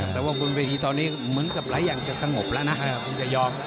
แต่ว่าบนเวทีตอนนี้เหมือนกับหลายอย่างจะสงบแล้วนะคงจะยอม